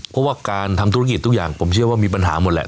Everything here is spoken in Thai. เพราะว่าการทำธุรกิจทุกอย่างผมเชื่อว่ามีปัญหาหมดแหละ